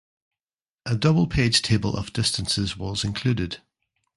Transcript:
A double page table of distances was included.